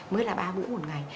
mới là ba bữa một ngày